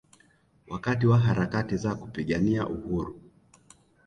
Wakati wa harakati za kupigania Uhuru